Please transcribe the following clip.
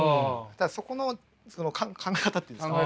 ただそこの考え方って言うんですか